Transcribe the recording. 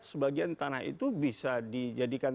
sebagian tanah itu bisa dijadikan